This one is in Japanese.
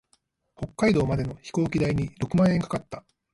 北海道までの飛行機代に六万円かかった。